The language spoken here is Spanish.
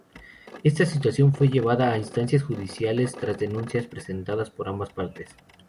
Esta situación fue llevada a instancias judiciales, tras denuncias presentadas por ambas partes.